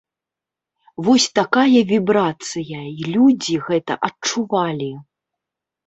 Вось такая вібрацыя і людзі гэта адчувалі!